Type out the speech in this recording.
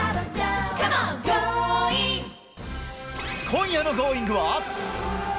今夜のＧｏｉｎｇ！は。